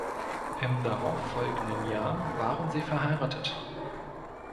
Im darauffolgenden Jahr waren sie verheiratet.